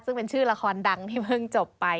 ซึ่งเป็นชื่อละครดังที่เพิ่งจบไป